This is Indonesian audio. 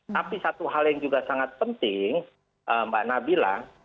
tapi satu hal yang juga sangat penting mbak nabila